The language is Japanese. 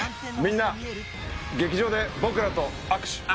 みんな劇場で僕らと握手！